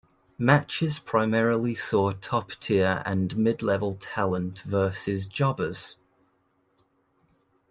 Matches primarily saw top tier and mid-level talent versus jobbers.